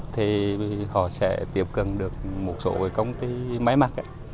thì họ sẽ tiếp cận được một số công ty máy mắc